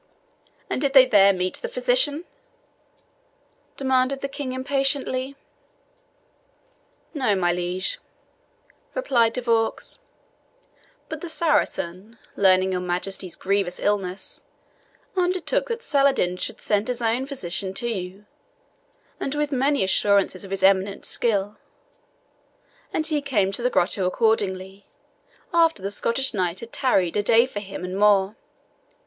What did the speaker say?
"And did they there meet the physician?" demanded the King impatiently. "No, my liege," replied De Vaux; "but the Saracen, learning your Majesty's grievous illness, undertook that Saladin should send his own physician to you, and with many assurances of his eminent skill; and he came to the grotto accordingly, after the Scottish knight had tarried a day for him and more.